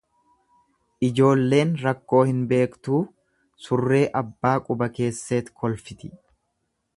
Ijoolleen rakkoo hin beektuu surree abbaa quba keesseet kolfiti.